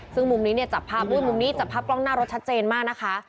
ซึ่งมุมนี้เนี่ยจับภาพด้วยมุมนี้จับภาพกล้องหน้ารถชัดเจนมากนะคะ